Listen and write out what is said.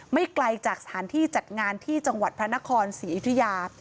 ไกลจากสถานที่จัดงานที่จังหวัดพระนครศรีอยุธยา